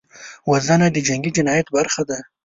وژنه د جنګي جنایت برخه ده